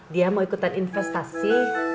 dia mau ikutan investasi